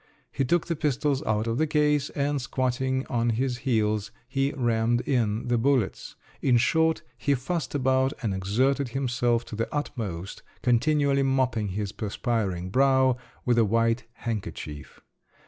He took the pistols out of the case, and squatting on his heels, he rammed in the bullets; in short, he fussed about and exerted himself to the utmost, continually mopping his perspiring brow with a white handkerchief.